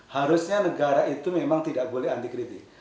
harusnya negara itu memang tidak boleh anti kritik